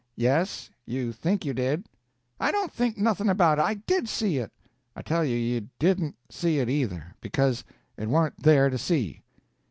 "Yes—you think you did." "I don't think nothing about it, I did see it." "I tell you you didn't see it either—because it warn't there to see."